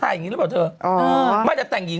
อย่างนี้หรือเปล่าเธออ๋อไม่แต่แต่งหญิง